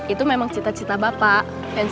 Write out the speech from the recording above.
itu memang cita cita bapak